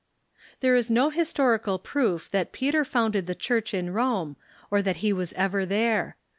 There is no historical proof that Peter founded the Church in Rome, or that he was ever there.